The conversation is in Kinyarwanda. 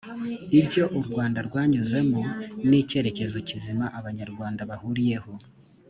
ibyo u rwanda rwanyuzemo n icyerecyezo kizima abanyarwanda bahuriyeho